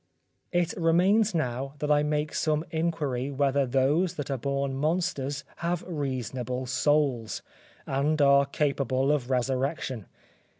It remains now that I make some inquiry whether those that are born monsters have reasonable souls, and are capable of resurrection.